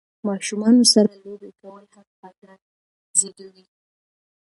ماشومانو سره لوبې کول هم خندا زیږوي.